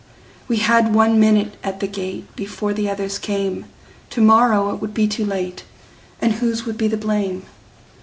We had one minute at the gate, Before the others came; To morrow it would be too late, And whose would be the blame!